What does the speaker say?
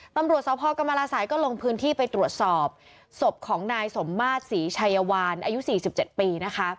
ตำรวจสพกรรมราศัยก็ลงพื้นที่ไปตรวจสอบศพของนายสมมาตรศรีชัยวานอายุ๔๗ปีนะคะ